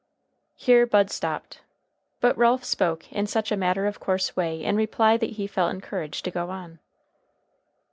Here Bud stopped. But Ralph spoke in such a matter of course way in reply that he felt encouraged to go on.